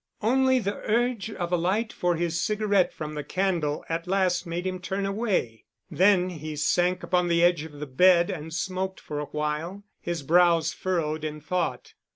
Only the urge of a light for his cigarette from the candle at last made him turn away. Then he sank upon the edge of the bed and smoked for awhile, his brows furrowed in thought.